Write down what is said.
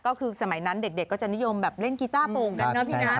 ก็คือสมัยนั้นเด็กก็จะนิยมแบบเล่นกีต้าโป่งกันเนอะพี่นะ